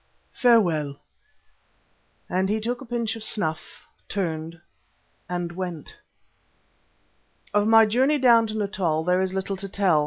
Farewell!" and he took a pinch of snuff, turned, and went. Of my journey down to Natal there is little to tell.